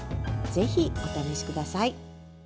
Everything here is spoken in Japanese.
ぜひ、お試しください。